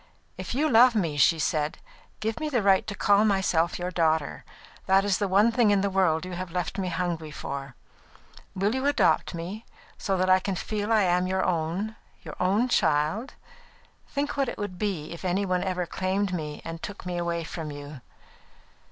"If you love me," she said, "give me the right to call myself your daughter. That is the one thing in the world you have left me hungry for. Will you adopt me, so that I can feel I am your own, own child? Think what it would be if any one ever claimed me and took me away from you!"